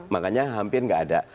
makanya hampir tidak ada